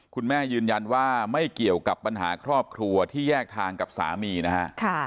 คุณแม่ยืนยันว่าไม่เกี่ยวกับปัญหาครอบครัวที่แยกทางกับสามีนะฮะ